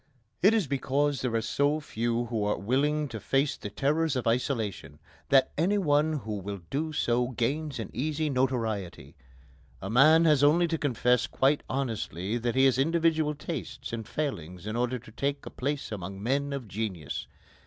It is because there are so few who are willing to face the terrors of isolation that any one who will do so gains an easy notoriety. A man has only to confess quite honestly that he has individual tastes and failings in order to take a place among men of genius.